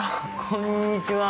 こんにちは。